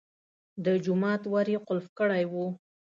د جومات ور یې قلف کړی و.